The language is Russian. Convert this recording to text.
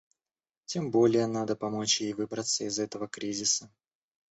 Тем более надо помочь ей выбраться из этого кризиса.